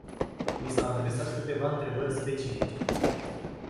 Mi s-au adresat câteva întrebări specifice.